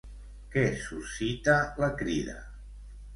Què suscita la Crida?